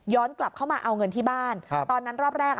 กลับเข้ามาเอาเงินที่บ้านครับตอนนั้นรอบแรกอ่ะ